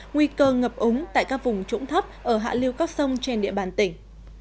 nguy cơ ngập úng tại các vùng trũng thấp ở hạ liêu các sông trên địa bàn tỉnh